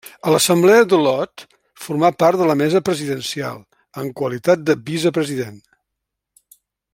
A l'Assemblea d'Olot formà part de la Mesa Presidencial, en qualitat de vicepresident.